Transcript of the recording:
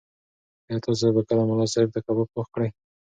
ایا تاسو به کله ملا صاحب ته کباب پوخ کړئ؟